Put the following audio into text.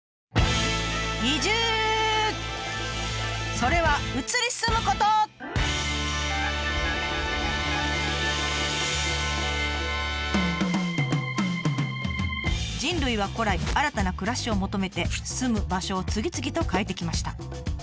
それは人類は古来新たな暮らしを求めて住む場所を次々とかえてきました。